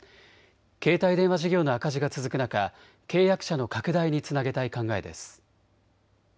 携帯電話事業の赤字が続く中、契約者の拡大につなげたい考えです。